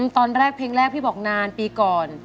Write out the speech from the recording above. ตอนแรกเพลงแรกพี่บอกนานปีก่อน